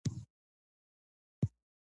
دا یو داسې سفر دی چې د انسان فکر بدلوي.